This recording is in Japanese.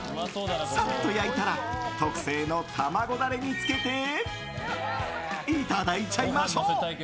サッと焼いたら特製の卵ダレにつけていただいちゃいましょう。